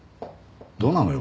どうなのよ？